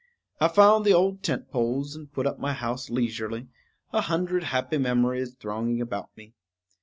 I found the old tent poles and put up my house leisurely, a hundred happy memories thronging about me.